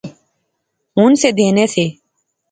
ہن سے دینے سے